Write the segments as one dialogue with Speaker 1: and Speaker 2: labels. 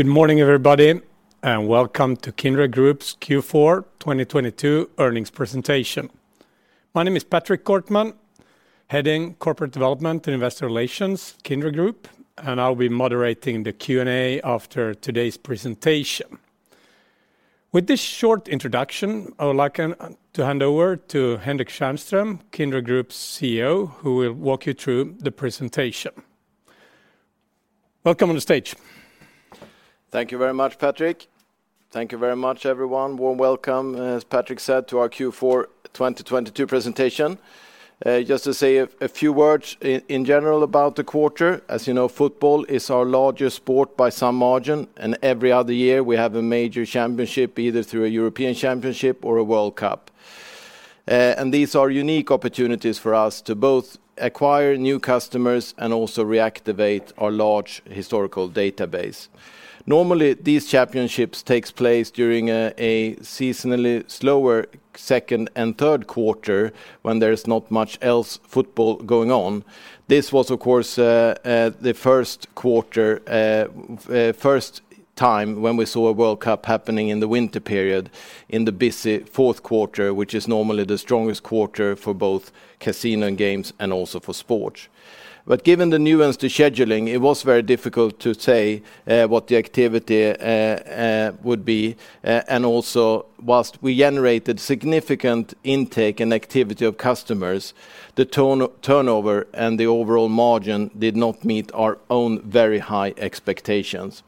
Speaker 1: Good morning, everybody, and welcome to Kindred Group's Q4 2022 earnings presentation. My name is Patrick Kortman, heading Corporate Development and Investor Relations, Kindred Group, and I'll be moderating the Q&A after today's presentation. With this short introduction, I would like to hand over to Henrik Tjärnström, Kindred Group's CEO, who will walk you through the presentation. Welcome on the stage.
Speaker 2: Thank you very much, Patrick. Thank you very much, everyone. Warm welcome, as Patrick said, to our Q4 2022 presentation. Just to say a few words in general about the quarter. As you know, football is our largest sport by some margin, and every other year, we have a major championship, either through a European Championship or a World Cup. These are unique opportunities for us to both acquire new customers and also reactivate our large historical database. Normally, these championships takes place during a seasonally slower second and Q3 when there is not much else football going on. This was, of course, the first time when we saw a World Cup happening in the winter period in the busy Q4, which is normally the strongest quarter for both casino and games and also for sports. Given the new scheduling, it was very difficult to say what the activity would be, and also whilst we generated significant intake and activity of customers, the turnover and the overall margin did not meet our own very high expectations.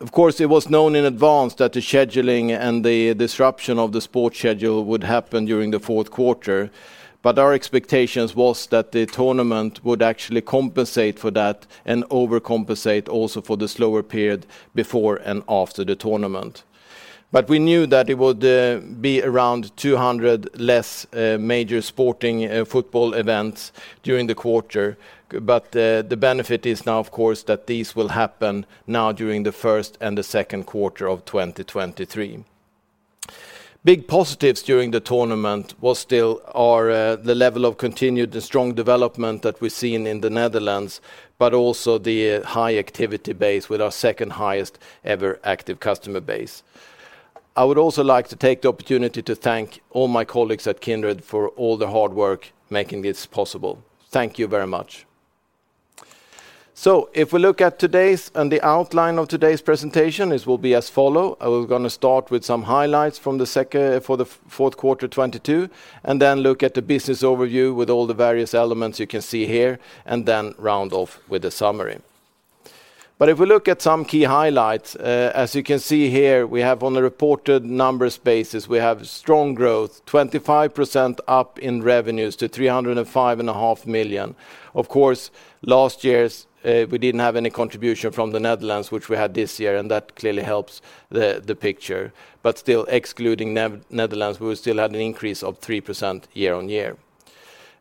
Speaker 2: It was known in advance that the scheduling and the disruption of the sports schedule would happen during the Q4. Our expectations was that the tournament would actually compensate for that and overcompensate also for the slower period before and after the tournament. We knew that it would be around 200 less major sporting football events during the quarter. The benefit is now, of course, that these will happen now during the first and the Q2 of 2023. Big positives during the tournament was still our, the level of continued and strong development that we're seeing in the Netherlands, but also the high activity base with our second-highest-ever active customer base. I would also like to take the opportunity to thank all my colleagues at Kindred for all the hard work making this possible. Thank you very much. If we look at today's and the outline of today's presentation, it will be as follow. We're gonna start with some highlights for the Q4 2022, and then look at the business overview with all the various elements you can see here, and then round off with a summary. If we look at some key highlights, as you can see here, we have on a reported numbers basis, we have strong growth, 25% up in revenues to 305 and a half million. Of course, last year's, we didn't have any contribution from the Netherlands, which we had this year, and that clearly helps the picture. Still excluding Netherlands, we still had an increase of 3% year-on-year.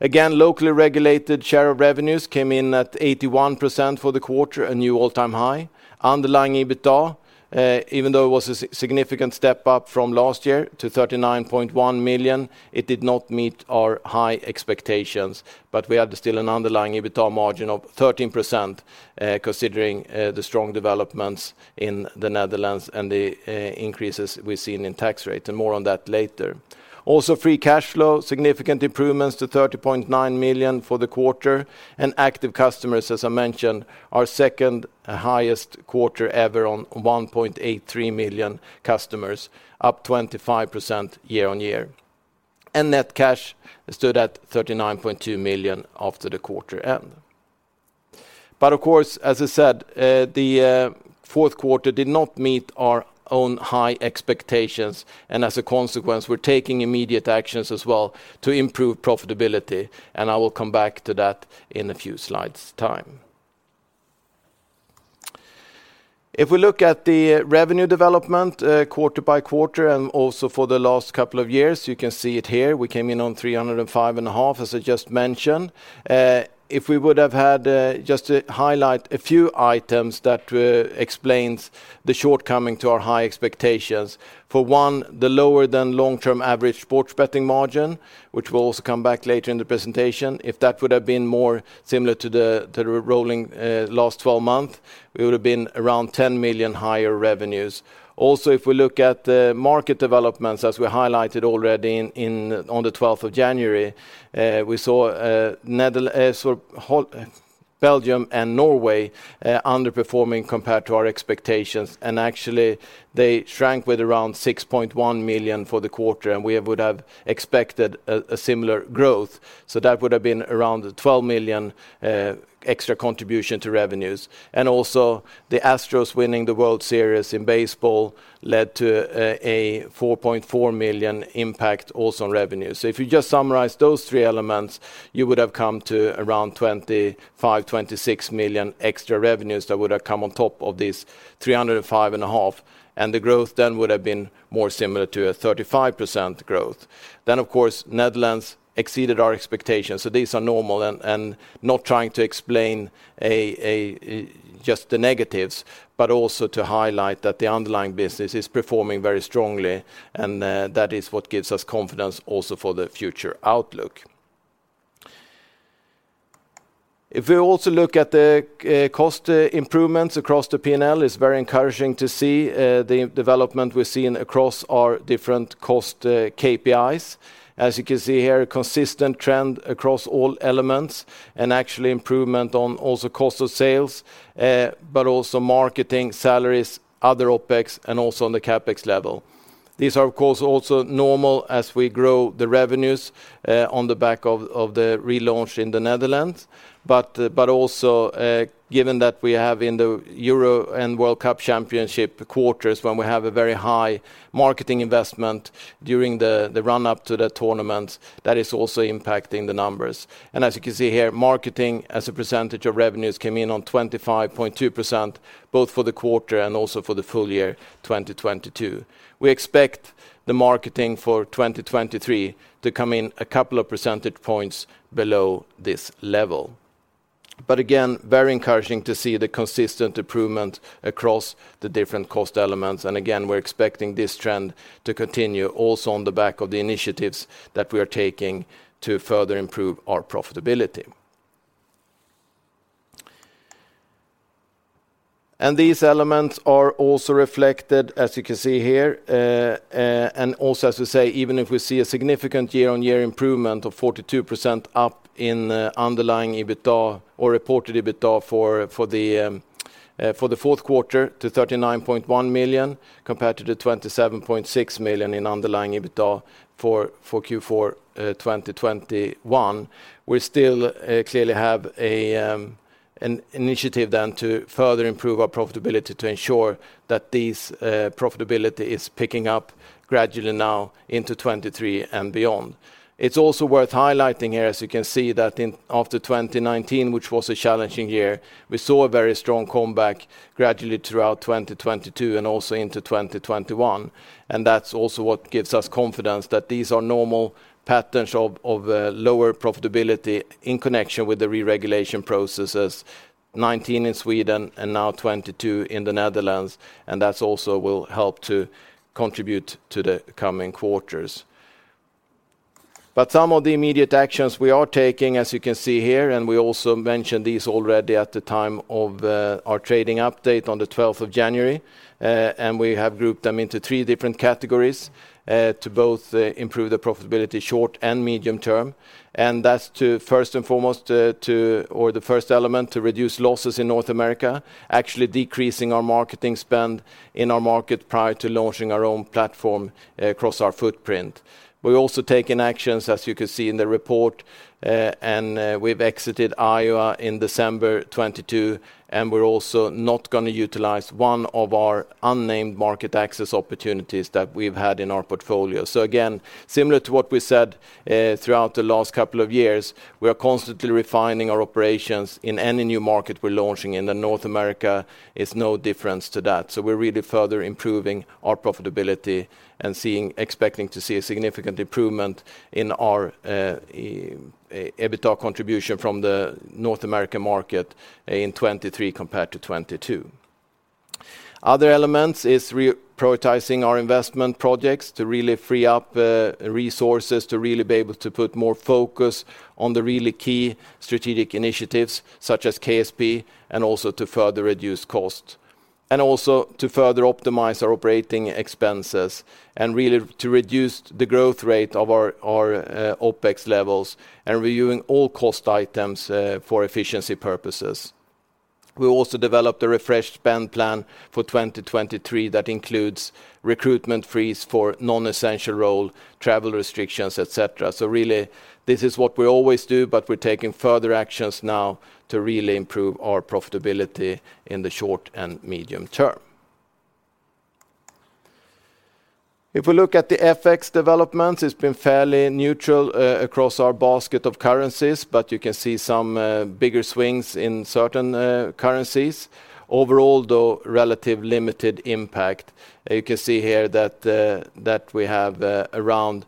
Speaker 2: Again, locally regulated share of revenues came in at 81% for the quarter, a new all-time high. Underlying EBITDA, even though it was a significant step up from last year to 39.1 million, it did not meet our high expectations. We had still an underlying EBITDA margin of 13%, considering the strong developments in the Netherlands and the increases we've seen in tax rate, and more on that later. Also, free cash flow, significant improvements to 30.9 million for the quarter. Active customers, as I mentioned, our second highest quarter ever on 1.83 million customers, up 25% year-on-year. Net cash stood at 39.2 million after the quarter end. Of course, as I said, the Q4 did not meet our own high expectations. As a consequence, we're taking immediate actions as well to improve profitability. I will come back to that in a few slides' time. If we look at the revenue development, quarter by quarter and also for the last couple of years, you can see it here. We came in on 305 and a half, as I just mentioned. If we would have had, just to highlight a few items that explains the shortcoming to our high expectations. For one, the lower-than-long-term average sports betting margin, which we'll also come back later in the presentation, if that would have been more similar to the, to the rolling, last 12 month, we would have been around 10 million higher revenues. If we look at the market developments, as we highlighted already on the 12th of January, we saw Belgium and Norway underperforming compared to our expectations. Actually they shrank with around 6.1 million for the quarter, and we would have expected a similar growth. That would have been around 12 million extra contribution to revenues. The Astros winning the World Series in baseball led to a 4.4 million impact also on revenues. If you just summarize those three elements, you would have come to around 25 million, 26 million extra revenues that would have come on top of these 305 and a half. The growth then would have been more similar to a 35% growth. Of course, Netherlands exceeded our expectations. These are normal and not trying to explain a just the negatives, but also to highlight that the underlying business is performing very strongly, and that is what gives us confidence also for the future outlook. If we also look at the cost improvements across the P&L, it's very encouraging to see the development we're seeing across our different cost KPIs. As you can see here, a consistent trend across all elements, and actually improvement on also cost of sales, but also marketing, salaries, other OPEX, and also on the CapEx level. These are of course also normal as we grow the revenues on the back of the relaunch in the Netherlands, but also given that we have in the Euros and World Cup championship quarters when we have a very high marketing investment during the run-up to the tournaments, that is also impacting the numbers. As you can see here, marketing as a percentage of revenues came in on 25.2%, both for the quarter and also for the full year 2022. We expect the marketing for 2023 to come in a couple of percentage points below this level. Again, very encouraging to see the consistent improvement across the different cost elements. Again, we're expecting this trend to continue also on the back of the initiatives that we're taking to further improve our profitability. These elements are also reflected, as you can see here, and also, as we say, even if we see a significant year-on-year improvement of 42% up in underlying EBITDA or reported EBITDA for the Q4 to 39.1 million, compared to the 27.6 million in underlying EBITDA for Q4 2021, we still clearly have an initiative then to further improve our profitability to ensure that these profitability is picking up gradually now into 2023 and beyond. It's also worth highlighting here, as you can see, that after 2019, which was a challenging year, we saw a very strong comeback gradually throughout 2022 and also into 2021. That's also what gives us confidence that these are normal patterns of lower profitability in connection with the re-regulation processes, 2019 in Sweden and now 2022 in the Netherlands, and that's also will help to contribute to the coming quarters. Some of the immediate actions we are taking, as you can see here, and we also mentioned these already at the time of our trading update on the 12th of January, and we have grouped them into three different categories to both improve the profitability short and medium term. That's to first and foremost, the first element to reduce losses in North America, actually decreasing our marketing spend in our market prior to launching our own platform across our footprint. We're also taking actions, as you can see in the report, we've exited Iowa in December 2022, and we're also not gonna utilize one of our unnamed market access opportunities that we've had in our portfolio. Again, similar to what we said, throughout the last couple of years, we are constantly refining our operations in any new market we're launching, and then North America is no difference to that. We're really further improving our profitability and expecting to see a significant improvement in our EBITDA contribution from the North American market in 2023 compared to 2022. Other elements is re-prioritizing our investment projects to really free up resources to really be able to put more focus on the really key strategic initiatives, such as KSP, to further reduce cost. To further optimize our operating expenses and really to reduce the growth rate of our OPEX levels and reviewing all cost items for efficiency purposes. We also developed a refreshed spend plan for 2023 that includes recruitment freeze for non-essential role, travel restrictions, et cetera. Really, this is what we always do, but we're taking further actions now to really improve our profitability in the short and medium term. If we look at the FX developments, it's been fairly neutral across our basket of currencies, but you can see some bigger swings in certain currencies. Overall, though, relative limited impact. You can see here that we have around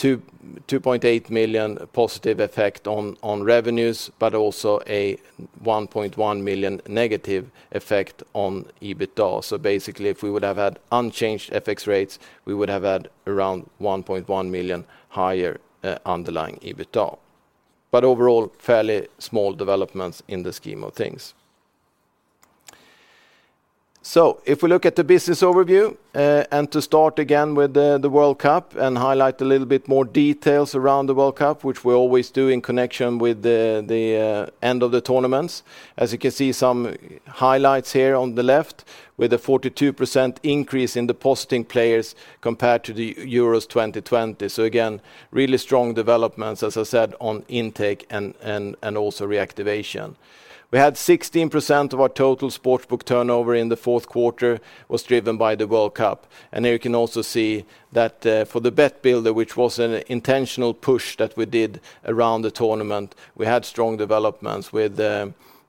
Speaker 2: 2.8 million positive effect on revenues, but also a 1.1 million negative effect on EBITDA. Basically, if we would have had unchanged FX rates, we would have had around 1.1 million higher underlying EBITDA. Overall, fairly small developments in the scheme of things. If we look at the business overview, and to start again with the World Cup and highlight a little bit more details around the World Cup, which we always do in connection with the end of the tournaments. As you can see, some highlights here on the left with a 42% increase in the posting players compared to the Euros 2020. Again, really strong developments, as I said, on intake and also reactivation. We had 16% of our total sportsbook turnover in the Q4 was driven by the World Cup. Here you can also see that for the Bet Builder, which was an intentional push that we did around the tournament, we had strong developments with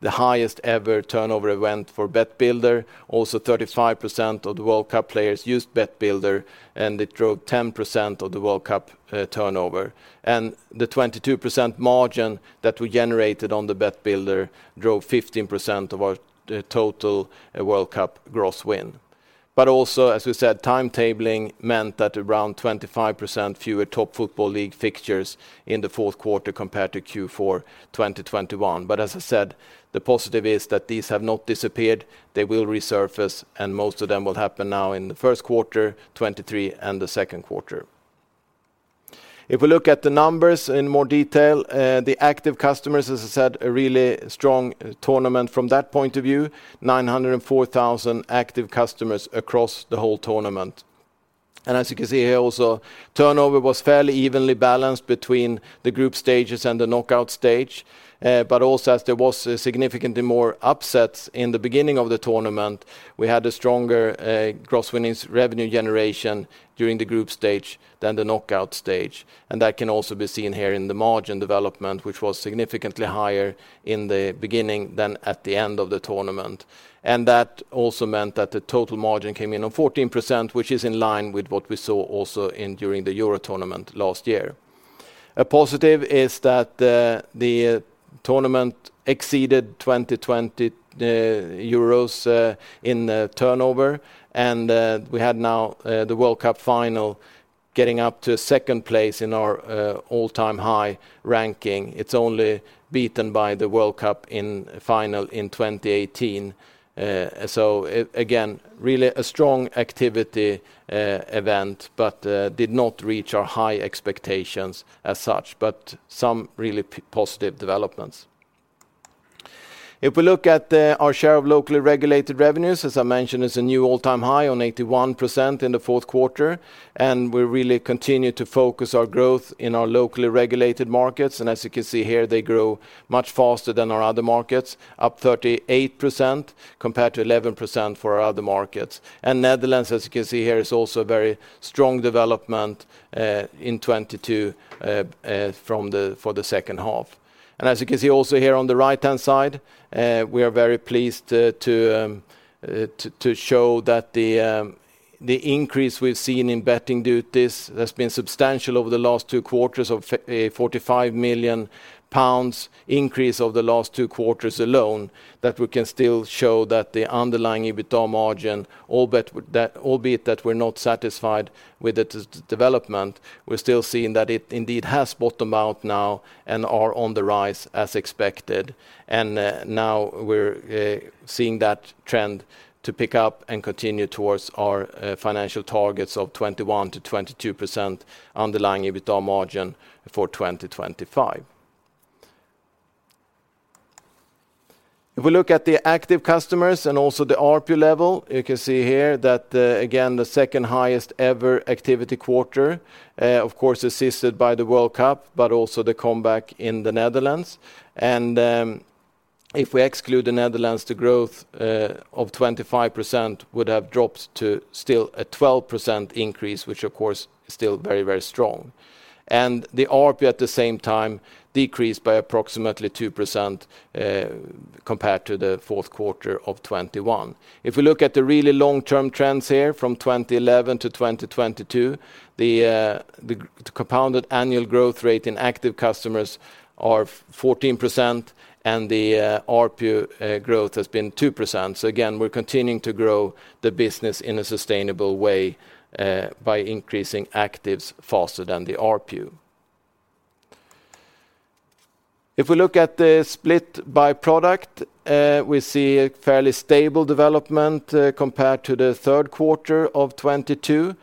Speaker 2: the highest ever turnover event for Bet Builder. Also, 35% of the World Cup players used Bet Builder, and it drove 10% of the World Cup turnover. The 22% margin that we generated on the Bet Builder drove 15% of our, the total World Cup gross win. Also, as we said, timetabling meant that around 25% fewer top football league fixtures in the Q4 compared to Q4 2021. As I said, the positive is that these have not disappeared. They will resurface. Most of them will happen now in the Q1 2023 and the Q2. if we look at the numbers in more detail, the active customers, as I said, a really strong tournament from that point of view, 904,000 active customers across the whole tournament. As you can see here also, turnover was fairly evenly balanced between the group stages and the knockout stage. Also as there was significantly more upsets in the beginning of the tournament, we had a stronger gross winnings revenue generation during the group stage than the knockout stage. That can also be seen here in the margin development, which was significantly higher in the beginning than at the end of the tournament. That also meant that the total margin came in on 14%, which is in line with what we saw also in during the Euros tournament last year. A positive is that the tournament exceeded 2020 Euros in turnover, and we had now the World Cup final getting up to second place in our all-time high ranking. It's only beaten by the World Cup final in 2018. Again, really a strong activity event, but did not reach our high expectations as such, but some really positive developments. If we look at our share of locally regulated revenues, as I mentioned, it's a new all-time high on 81% in the Q4, and we really continue to focus our growth in our locally regulated markets. As you can see here, they grow much faster than our other markets, up 38% compared to 11% for our other markets. Netherlands, as you can see here, is also a very strong development in 2022 for the H2. As you can see also here on the right-hand side, we are very pleased to show that the increase we've seen in betting duties has been substantial over the last two quarters of 45 million pounds increase over the last two quarters alone, that we can still show that the underlying EBITDA margin, albeit that we're not satisfied with the development, we're still seeing that it indeed has bottomed out now and are on the rise as expected. Now we're seeing that trend to pick up and continue towards our financial targets of 21%-22% underlying EBITA margin for 2025. If we look at the active customers and also the ARPU level, you can see here that again, the second highest ever activity quarter, of course, assisted by the World Cup, but also the comeback in the Netherlands. If we exclude the Netherlands, the growth of 25% would have dropped to still a 12% increase, which of course is still very, very strong. The ARPU at the same time decreased by approximately 2% compared to the Q4 of 2021. If we look at the really long-term trends here from 2011 to 2022, the compounded annual growth rate in active customers are 14%, and the ARPU growth has been 2%. Again, we're continuing to grow the business in a sustainable way by increasing actives faster than the ARPU. If we look at the split by product, we see a fairly stable development compared to the Q3 of 2022,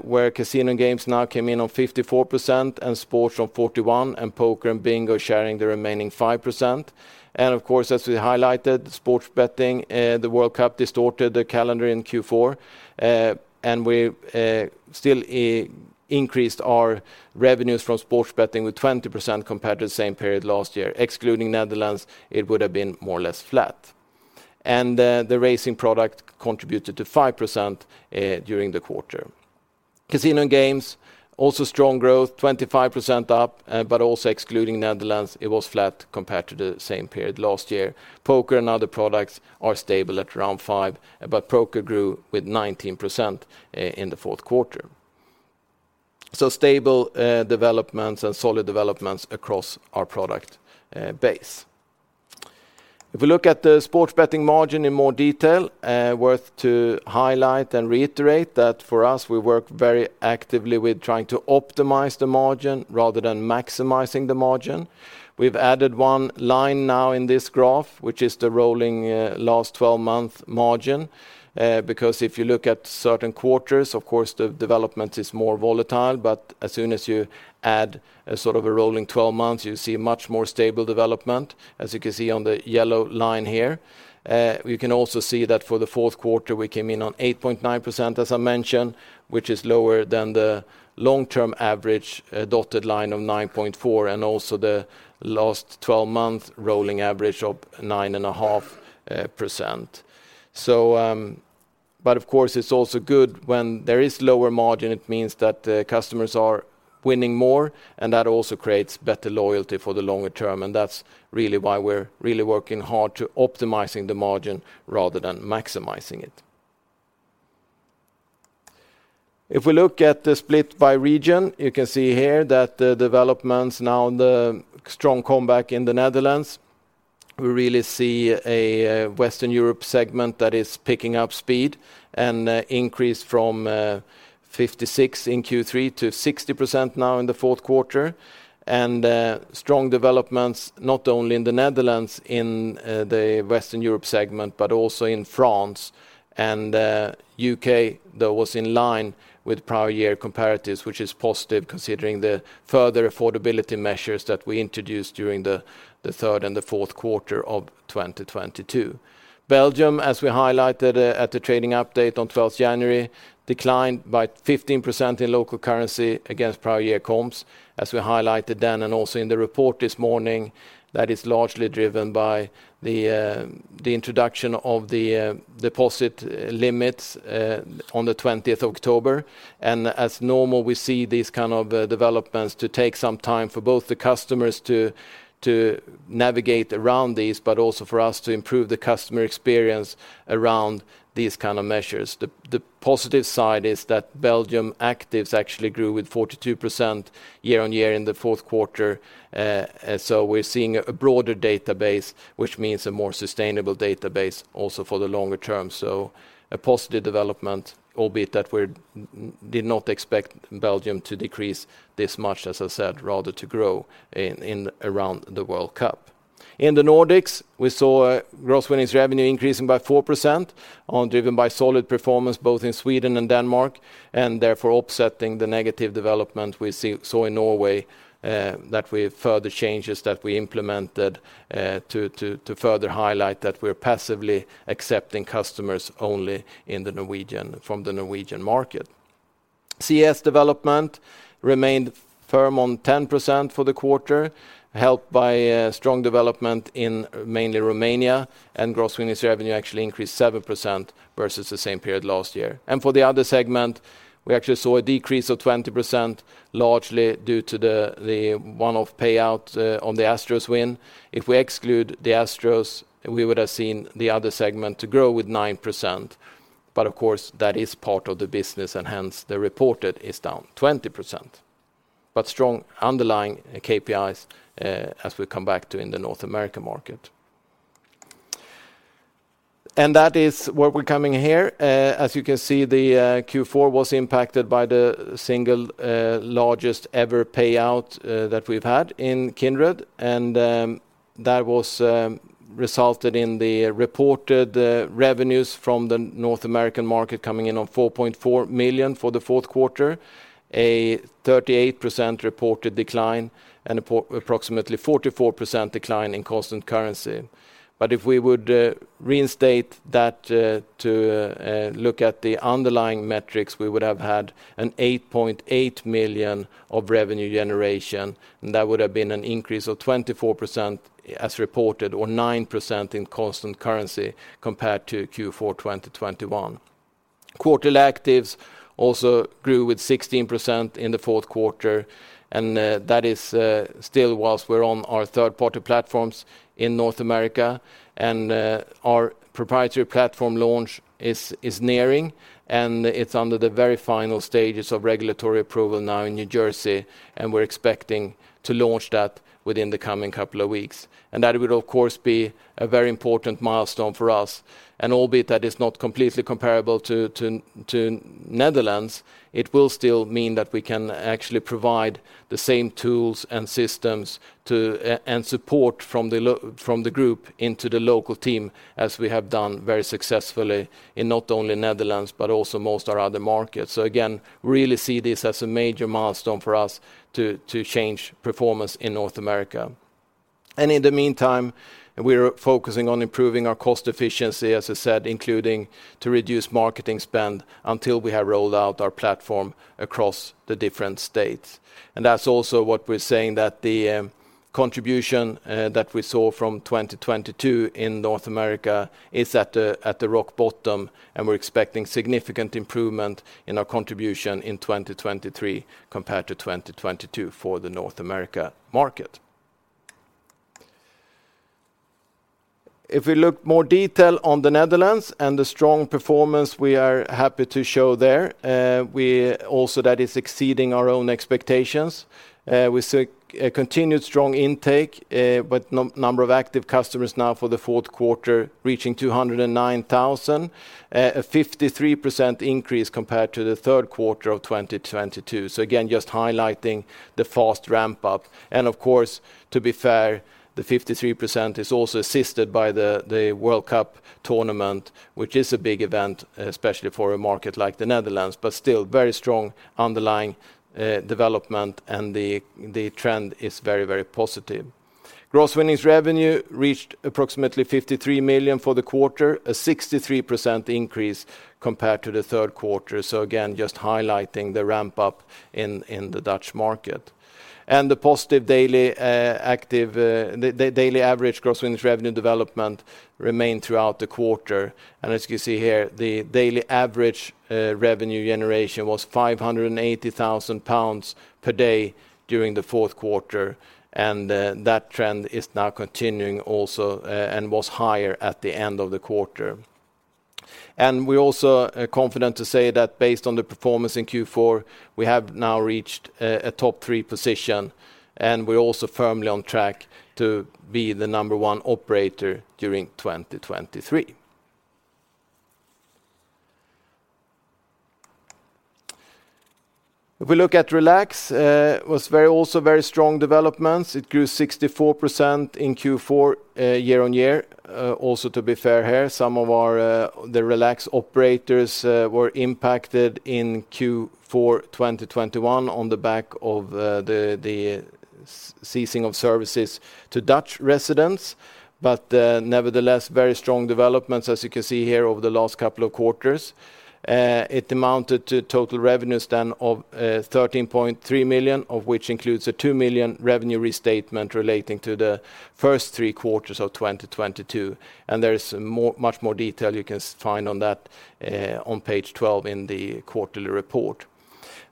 Speaker 2: where casino games now came in on 54% and sports on 41%, and poker and bingo sharing the remaining 5%. Of course, as we highlighted, sports betting, the World Cup distorted the calendar in Q4. And we still increased our revenues from sports betting with 20% compared to the same period last year. Excluding Netherlands, it would have been more or less flat. The, the racing product contributed to 5% during the quarter. Casino games, also strong growth, 25% up, but also excluding Netherlands, it was flat compared to the same period last year. Poker and other products are stable at around 5%, but Poker grew with 19% in the Q4. Stable developments and solid developments across our product base. If we look at the sports betting margin in more detail, worth to highlight and reiterate that for us, we work very actively with trying to optimize the margin rather than maximizing he margin. We've added one line now in this graph, which is the rolling last 12 month margin. If you look at certain quarters, of course, the development is more volatile, but as soon as you add sort of a rolling 12 months, you see much more stable development, as you can see on the yellow line here. You can also see that for the Q4, we came in on 8.9%, as I mentioned, which is lower than the long-term average, dotted line of 9.4%, and also the last 12-month rolling average of 9.5%. Of course, it's also good when there is lower margin, it means that customers are winning more, and that also creates better loyalty for the longer term. That's really why we're really working hard to optimizing the margin rather than maximizing it. If we look at the split by region, you can see here that the developments now, the strong comeback in the Netherlands, we really see a Western Europe segment that is picking up speed and increase from 56% in Q3 to 60% now in the Q4. Strong developments, not only in the Netherlands in the Western Europe segment, but also in France and UK that was in line with prior-year comparatives, which is positive considering the further affordability measures that we introduced during the third and the Q4 of 2022. Belgium, as we highlighted, at the trading update on 12th January, declined by 15% in local currency against prior-year comps, as we highlighted then and also in the report this morning, that is largely driven by the introduction of the deposit limits on the 20th of October. As normal, we see these kind of developments to take some time for both the customers to navigate around these, but also for us to improve the customer experience around these kind of measures. The positive side is that Belgium actives actually grew with 42% year-on-year in the Q4. We're seeing a broader database, which means a more sustainable database also for the longer term. A positive development, albeit that did not expect Belgium to decrease this much, as I said, rather to grow in around the World Cup. In the Nordics, we saw gross winnings revenue increasing by 4% driven by solid performance both in Sweden and Denmark, therefore offsetting the negative development we saw in Norway, that with further changes that we implemented to further highlight that we're passively accepting customers only from the Norwegian market. CEEs development remained firm on 10% for the quarter, helped by a strong development in mainly Romania, gross winnings revenue actually increased 7% versus the same period last year. For the other segment, we actually saw a decrease of 20%, largely due to the one-off payout on the Astros win. If we exclude the Houston Astros, we would have seen the other segment to grow with 9%. Of course, that is part of the business, and hence the reported is down 20%. Strong underlying KPIs, as we come back to in the North America market. That is where we're coming here. As you can see, the Q4 was impacted by the single largest ever payout that we've had in Kindred. That was resulted in the reported revenues from the North American market coming in on 4.4 million for the Q4, a 38% reported decline and approximately 44% decline in constant currency. If we would reinstate that to look at the underlying metrics, we would have had an 8.8 million of revenue generation, and that would have been an increase of 24% as reported or 9% in constant currency compared to Q4 2021. Quarterly actives also grew with 16% in the Q4. That is still whilst we're on our third-party platforms in North America. Our proprietary platform launch is nearing, and it's under the very final stages of regulatory approval now in New Jersey, and we're expecting to launch that within the coming couple of weeks. That would, of course, be a very important milestone for us. Albeit that is not completely comparable to Netherlands, it will still mean that we can actually provide the same tools and systems to and support from the Group into the local team as we have done very successfully in not only Netherlands, but also most of our other markets. Again, really see this as a major milestone for us to change performance in North America. In the meantime, we're focusing on improving our cost efficiency, as I said, including to reduce marketing spend until we have rolled out our platform across the different states. That's also what we're saying that the contribution that we saw from 2022 in North America is at the rock bottom, and we're expecting significant improvement in our contribution in 2023 compared to 2022 for the North America market. If we look more detail on the Netherlands and the strong performance we are happy to show there, we also that is exceeding our own expectations. We see a continued strong intake, but number of active customers now for the Q4 reaching 209,000, a 53% increase compared to the Q3 of 2022. Again, just highlighting the fast ramp up. Of course, to be fair, the 53% is also assisted by the World Cup tournament, which is a big event, especially for a market like the Netherlands, but still very strong underlying development, and the trend is very, very positive. Gross winnings revenue reached approximately 53 million for the quarter, a 63% increase compared to the Q3. Again, just highlighting the ramp-up in the Dutch market. The positive daily active the daily average gross winnings revenue development remained throughout the quarter. As you can see here, the daily average revenue generation was 580,000 pounds per day during the Q4. That trend is now continuing also and was higher at the end of the quarter. We're also confident to say that based on the performance in Q4, we have now reached a top three position, and we're also firmly on track to be the number one operator during 2023. If we look at Relax, also very strong developments. It grew 64% in Q4 year-on-year. Also to be fair here, some of our, the Relax operators, were impacted in Q4 2021 on the back of the ceasing of services to Dutch residents. Nevertheless, very strong developments as you can see here over the last couple of quarters. It amounted to total revenues then of 13.3 million, of which includes a 2 million revenue restatement relating to the first three quarters of 2022. There is much more detail you can find on that on page 12 in the quarterly report.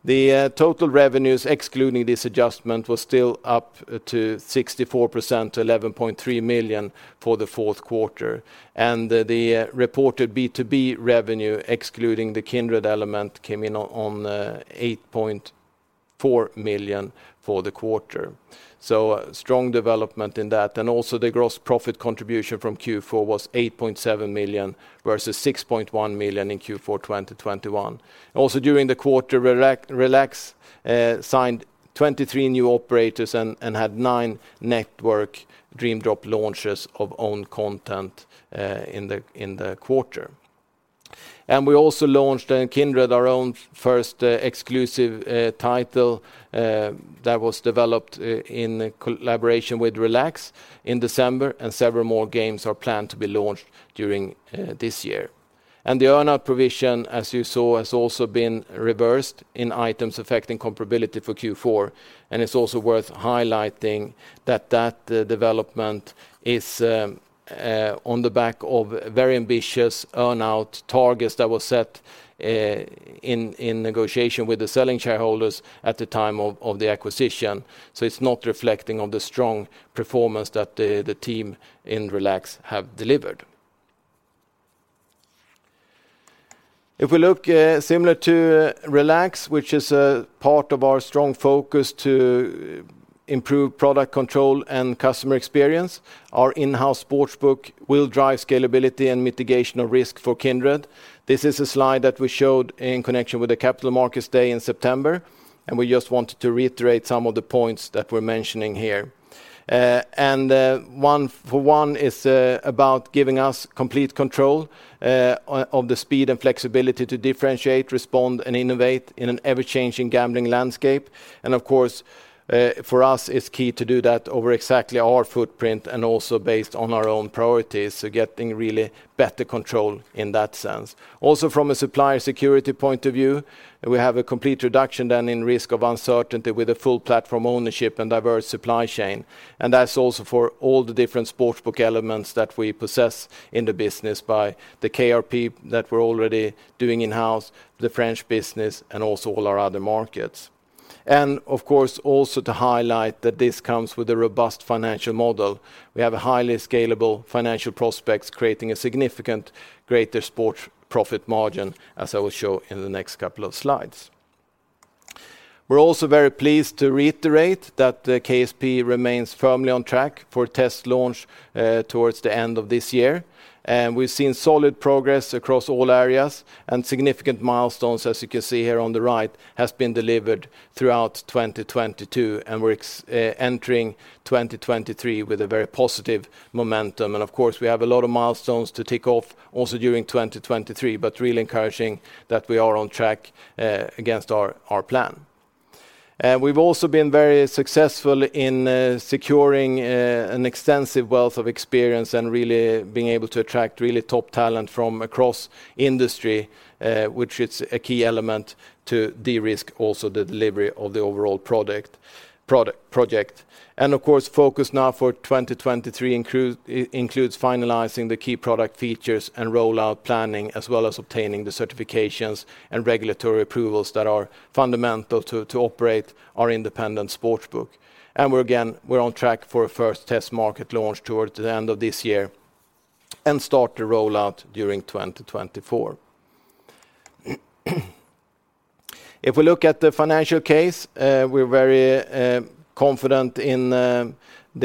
Speaker 2: The total revenues, excluding this adjustment, was still up to 64%, 11.3 million for the Q4. The reported B2B revenue, excluding the Kindred element, came in on 8.4 million for the quarter. Strong development in that. Also the gross profit contribution from Q4 was 8.7 million, versus 6.1 million in Q4 2021. Also during the quarter, Relax signed 23 new operators and had 9 network Dream Drop launches of own content in the quarter. We also launched in Kindred our own first exclusive title that was developed in collaboration with Relax in December, and several more games are planned to be launched during this year. The earn-out provision, as you saw, has also been reversed in items affecting comparability for Q4. It's also worth highlighting that development is on the back of very ambitious earn-out targets that were set in negotiation with the selling shareholders at the time of the acquisition. It's not reflecting on the strong performance that the team in Relax have delivered. If we look, similar to Relax, which is a part of our strong focus to improve product control and customer experience, our in-house sportsbook will drive scalability and mitigation of risk for Kindred. This is a slide that we showed in connection with the Capital Markets Day in September, and we just wanted to reiterate some of the points that we're mentioning here. One is about giving us complete control of the speed and flexibility to differentiate, respond, and innovate in an ever-changing gambling landscape. Of course, for us, it's key to do that over exactly our footprint and also based on our own priorities, so getting really better control in that sense. From a supplier security point of view, we have a complete reduction than in risk of uncertainty with a full platform ownership and diverse supply chain. That's also for all the different sports book elements that we possess in the business by the KRP that we're already doing in-house, the French business, and also all our other markets. Of course, also to highlight that this comes with a robust financial model. We have a highly scalable financial prospects, creating a significant greater sports profit margin, as I will show in the next couple of slides. We're also very pleased to reiterate that the KSP remains firmly on track for test launch towards the end of this year. We've seen solid progress across all areas and significant milestones, as you can see here on the right, has been delivered throughout 2022, we're entering 2023 with a very positive momentum. Of course, we have a lot of milestones to tick off also during 2023, but really encouraging that we are on track against our plan. We've also been very successful in securing an extensive wealth of experience and really being able to attract really top talent from across industry, which is a key element to de-risk also the delivery of the overall project. Of course, focus now for 2023 includes finalizing the key product features and rollout planning, as well as obtaining the certifications and regulatory approvals that are fundamental to operate our independent sports book. We're again, we're on track for a first test market launch towards the end of this year and start the rollout during 2024. If we look at the financial case, we're very confident in the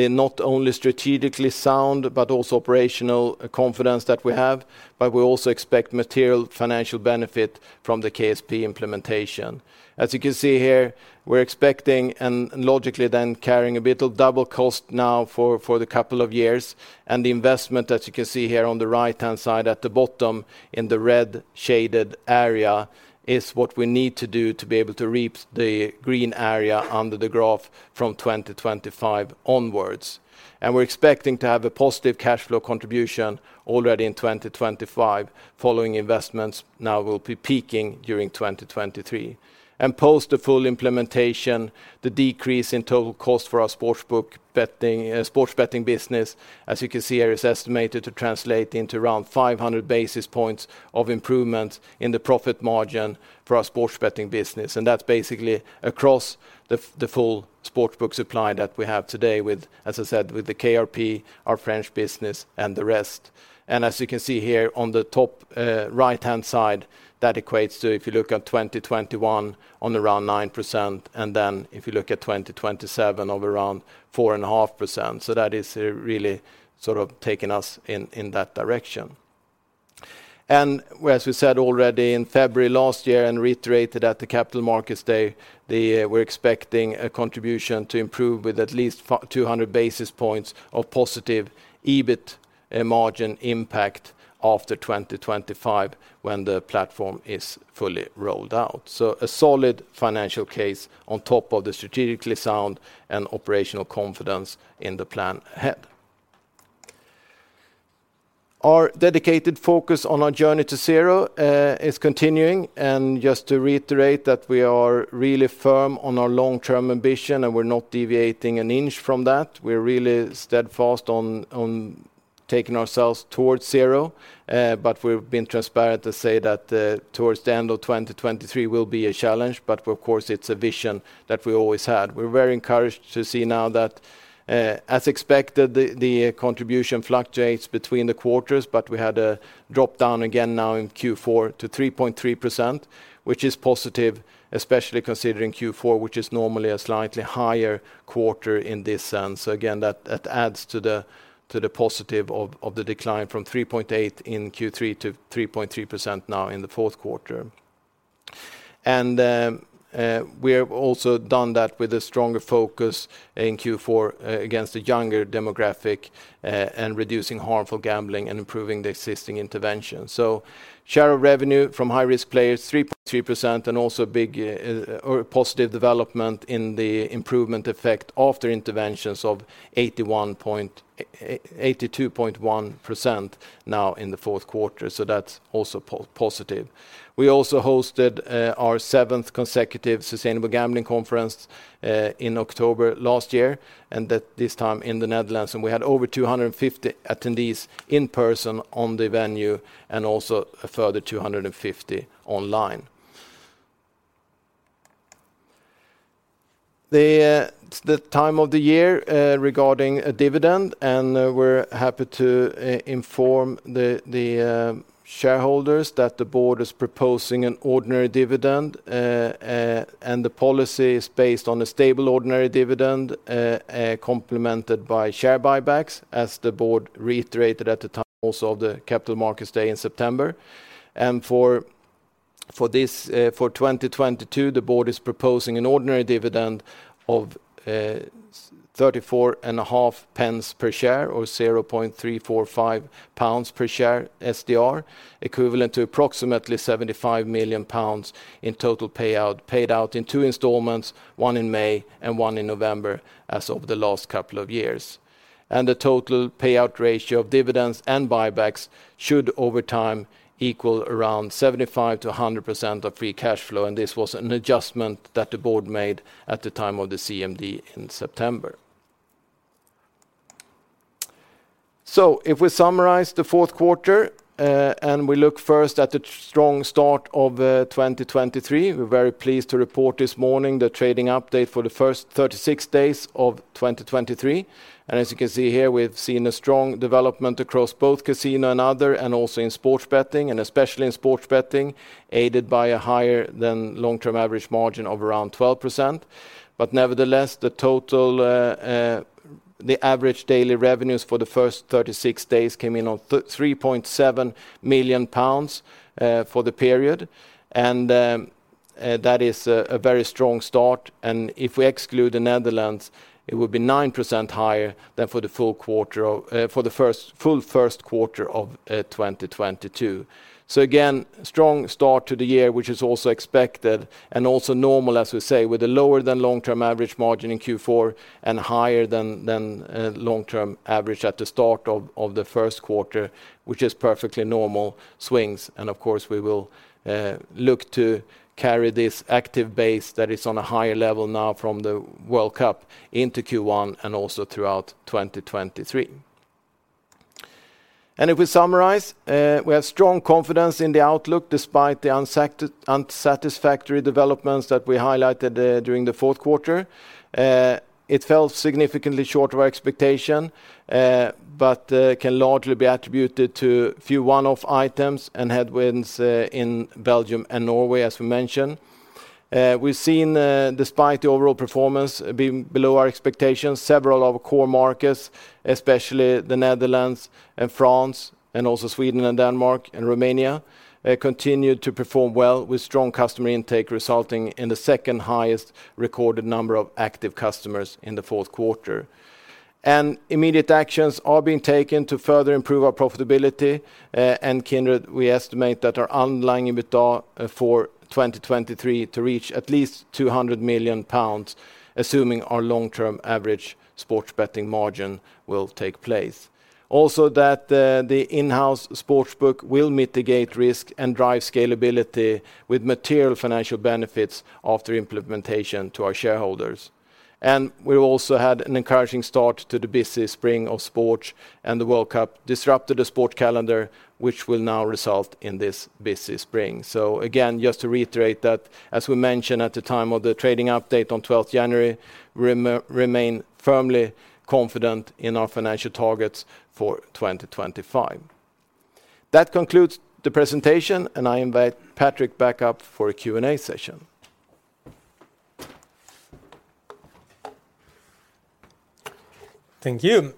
Speaker 2: not only strategically sound but also operational confidence that we have, but we also expect material financial benefit from the KSP implementation. As you can see here, we're expecting and logically then carrying a bit of double cost now for the couple of years. The investment, as you can see here on the right-hand side at the bottom in the red shaded area, is what we need to do to be able to reap the green area under the graph from 2025 onwards. We're expecting to have a positive cash flow contribution already in 2025 following investments now will be peaking during 2023. Post the full implementation, the decrease in total cost for our sportsbook betting, sportsbook betting business, as you can see here, is estimated to translate into around 500 basis points of improvement in the profit margin for our sportsbook betting business. That's basically across the full sportsbook supply that we have today with, as I said, with the KRP, our French business, and the rest. As you can see here on the top, right-hand side, that equates to, if you look at 2021, on around 9%, and then if you look at 2027, of around 4.5%. That is really sort of taking us in that direction. As we said already in February last year and reiterated at the Capital Markets Day, the we're expecting a contribution to improve with at least 200 basis points of positive EBIT margin impact after 2025 when the platform is fully rolled out. A solid financial case on top of the strategically sound and operational confidence in the plan ahead. Our dedicated focus on our Journey to Zero is continuing, and just to reiterate that we are really firm on our long-term ambition, and we're not deviating an inch from that. We're really steadfast on taking ourselves towards zero, but we've been transparent to say that towards the end of 2023 will be a challenge. Of course, it's a vision that we always had. We're very encouraged to see now that, as expected, the contribution fluctuates between the quarters, but we had a drop down again now in Q4 to 3.3%, which is positive, especially considering Q4, which is normally a slightly higher quarter in this sense. Again, that adds to the positive of the decline from 3.8 in Q3 to 3.3% now in the Q4. We have also done that with a stronger focus in Q4 against the younger demographic and reducing harmful gambling and improving the existing intervention. Share of revenue from high-risk players, 3.3%, and also big or positive development in the improvement effect after interventions of 82.1% now in the Q4. That's also positive. We also hosted our 7th consecutive Sustainable Gambling Conference in October last year, and at this time in the Netherlands, and we had over 250 attendees in person on the venue and also a further 250 online. The time of the year regarding a dividend, we're happy to inform the shareholders that the board is proposing an ordinary dividend. The policy is based on a stable ordinary dividend complemented by share buybacks, as the board reiterated at the time also of the Capital Markets Day in September. For this, for 2022, the board is proposing an ordinary dividend of 34 and a half pence per share or 0.345 pounds per share SDR, equivalent to approximately 75 million pounds in total payout, paid out in two installments, one in May and one in November as of the last couple of years. The total payout ratio of dividends and buybacks should over time equal around 75%-100% of free cash flow. This was an adjustment that the board made at the time of the CMD in September. If we summarize the Q4, and we look first at the strong start of 2023, we're very pleased to report this morning the trading update for the first 36 days of 2023. As you can see here, we've seen a strong development across both casino and other, and also in sports betting, and especially in sports betting, aided by a higher-than-long-term average margin of around 12%. Nevertheless, the total average daily revenues for the first 36 days came in on 3.7 million pounds for the period. That is a very strong start. If we exclude the Netherlands, it would be 9% higher than for the full Q1 of 2022. Again, strong start to the year, which is also expected and also normal, as we say, with a lower-than-long-term average margin in Q4 and higher than long-term average at the start of the Q1, which is perfectly normal swings. Of course, we will look to carry this active base that is on a higher level now from the World Cup into Q1 and also throughout 2023. If we summarize, we have strong confidence in the outlook despite the unsatisfactory developments that we highlighted during the Q4. It fell significantly short of our expectation, but can largely be attributed to few one-off items and headwinds in Belgium and Norway, as we mentioned. We've seen, despite the overall performance being below our expectations, several of our core markets, especially the Netherlands and France and also Sweden and Denmark and Romania, continued to perform well with strong customer intake, resulting in the second highest recorded number of active customers in the Q4. Immediate actions are being taken to further improve our profitability, and Kindred we estimate that our underlying EBITDA for 2023 to reach at least 200 million pounds, assuming our long-term average sports betting margin will take place. That the in-house sports book will mitigate risk and drive scalability with material financial benefits after implementation to our shareholders. We've also had an encouraging start to the busy spring of sports, and the World Cup disrupted the sports calendar, which will now result in this busy spring. Again, just to reiterate that, as we mentioned at the time of the trading update on 12th January, remain firmly confident in our financial targets for 2025. That concludes the presentation, and I invite Patrick back up for a Q&A session.
Speaker 1: Thank you.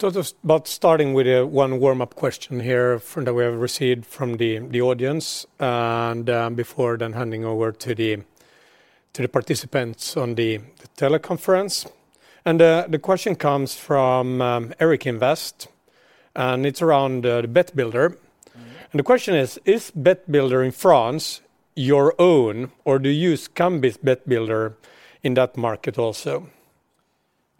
Speaker 1: Just about starting with one warm-up question here from that we have received from the audience, before then handing over to the participants on the teleconference. The question comes from Eric Invest, and it's around the BetBuilder.
Speaker 2: Mm-hmm.
Speaker 1: The question is BetBuilder in France your own or do you use Kambi's BetBuilder in that market also?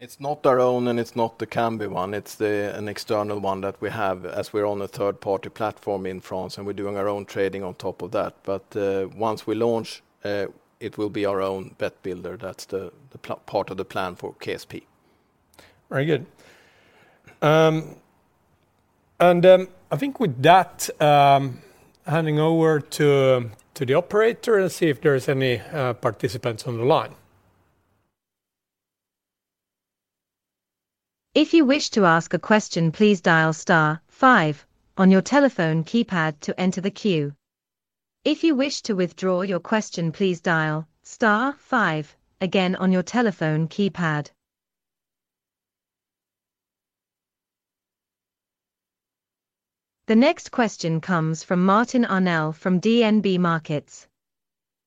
Speaker 2: It's not our own, and it's not the Kambi one. It's an external one that we have as we're on a third-party platform in France, and we're doing our own trading on top of that. Once we launch, it will be our own BetBuilder. That's the part of the plan for KSP.
Speaker 1: Very good. I think with that, handing over to the operator and see if there's any participants on the line.
Speaker 3: If you wish to ask a question, please dial star five on your telephone keypad to enter the queue. If you wish to withdraw your question, please dial star five again on your telephone keypad. The next question comes from Martin Arnell from DNB Markets.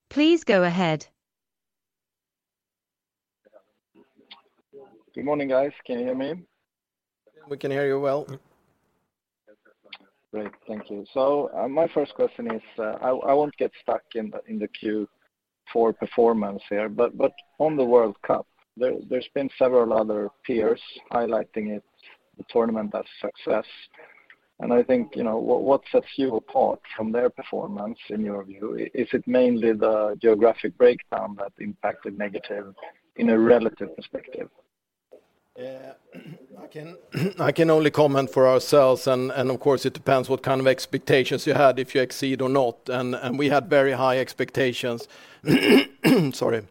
Speaker 3: Please go ahead.
Speaker 4: Good morning, guys. Can you hear me?
Speaker 1: We can hear you well.
Speaker 4: Great. Thank you. My first question is, I won't get stuck in the queue for performance here, but on the World Cup, there's been several other peers highlighting it, the tournament that success. I think, you know, what sets you apart from their performance in your view? Is it mainly the geographic breakdown that impacted negative in a relative perspective?
Speaker 2: I can only comment for ourselves and of course it depends what kind of expectations you had if you exceed or not, and we had very high expectations. Sorry.